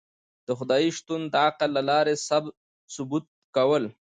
د خدای شتون د عقل له لاری ثبوت کول